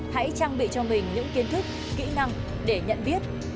hãy trang bị cho mình những kiến thức kỹ năng để nhận biết